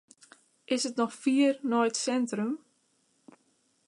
Is it noch fier nei it sintrum?